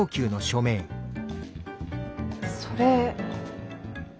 それ。